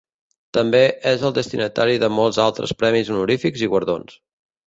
També és el destinatari de molts altres premis honorífics i guardons.